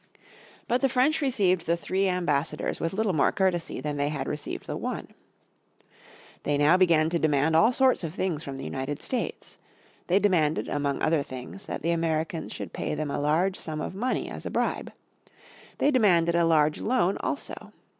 But the French received the three ambassadors with little more courtesy than they had received the one. They now began to demand all sorts of things from the United States; they demanded, among other things, that the Americans should pay them a large sum of money as a bribe. They demanded a large loan also.